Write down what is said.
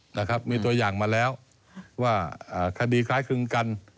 นะครับมีตัวอย่างมาแล้วว่าคดีคล้ายคลึงกัน